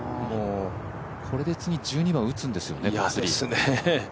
これで次、１２番打つんですよね。